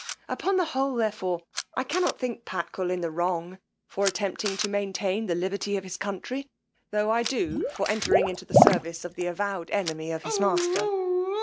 Upon the whole, therefore, I cannot think Patkul in the wrong for attempting to maintain the liberty of his country, tho' I do for entering into the service of the avowed enemy of his master.